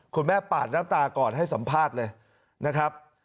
คุณแม่ปาดน้ำตากอดให้สัมภาษณ์เลยนะครับ